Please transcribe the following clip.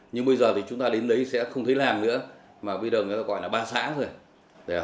nhưng bây giờ thì chúng ta đến đấy sẽ không thấy làng nữa mà bây giờ nó gọi là ba xã rồi